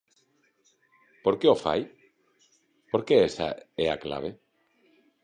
¿Por que o fai?, porque esa é a clave.